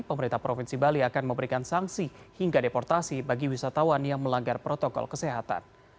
pemerintah provinsi bali akan memberikan sanksi hingga deportasi bagi wisatawan yang melanggar protokol kesehatan